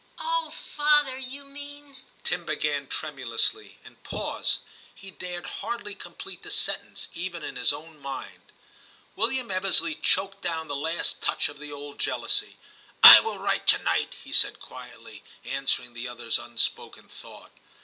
' Oh, father ! you mean ' Tim began tremulously, and paused ; he dared hardly complete the sentence even in his own mind. William Ebbesley choked down the last touch of the old jealousy. ' I will write to night,* he said quietly, answering the other s unspoken thought.